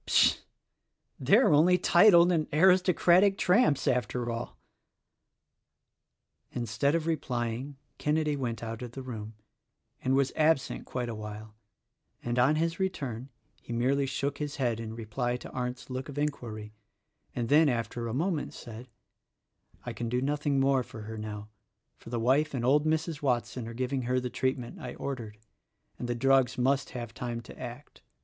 Pshaw! they are only titled and aristocratic tramps after all)." THE RECORDING ANGEL 43 Instead of replying Kenedy went out of the room and was absent quite a while, and on his return he merely shook his head in reply to Arndt's look of inquiry, and then after a moment said, "I can do nothing more for her now, for the wife and old Mrs. Watson are giving her the treatment I ordered, and the drugs must have time to act.